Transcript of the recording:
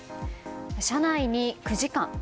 車内に９時間。